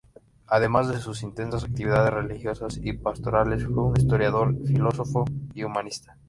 Además de sus intensas actividades religiosas y pastorales, fue un historiador, filósofo y humanista.